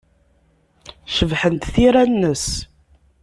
Cebḥent tira-nnes.